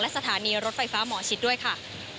สถานีรถไฟฟ้าหมอชิดด้วยค่ะ